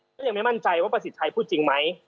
ก็ยังไม่มั่นใจว่าประสิทธิ์ชัยพูดจริงไหม